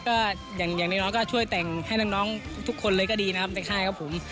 ก็อย่างน้อยก็ช่วยแต่งให้น้องทุกคนเลยก็ดีนะครับในค่ายครับผม